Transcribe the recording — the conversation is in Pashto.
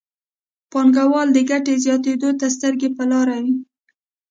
پانګوال د ګټې زیاتېدو ته سترګې په لاره وي.